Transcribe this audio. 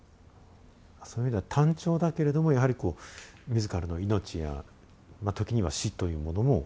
そういう意味では単調だけれどもやはりこう自らの命や時には死というものも。